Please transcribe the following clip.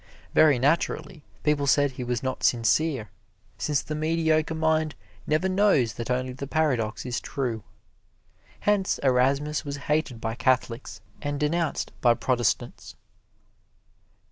Very naturally, people said he was not sincere, since the mediocre mind never knows that only the paradox is true. Hence Erasmus was hated by Catholics and denounced by Protestants.